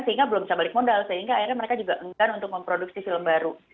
sehingga belum bisa balik modal sehingga akhirnya mereka juga enggan untuk memproduksi film baru